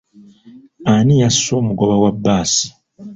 Ani yasse omugoba wa bbaasi?